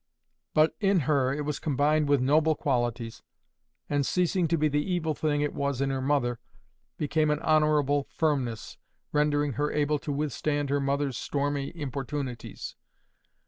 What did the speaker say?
But in her it was combined with noble qualities, and, ceasing to be the evil thing it was in her mother, became an honourable firmness, rendering her able to withstand her mother's stormy importunities.